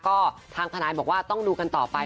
ก็ทางทนายบอกว่าต้องดูกันต่อไป